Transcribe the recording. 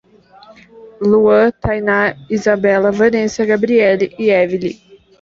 Luan, Tainá, Isabella, Vanesa, Gabriele e Evely